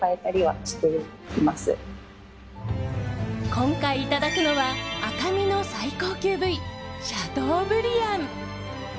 今回いただくのは赤身の最高級部位シャトーブリアン。